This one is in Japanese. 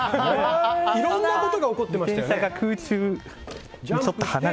いろんなことが起こってましたよね。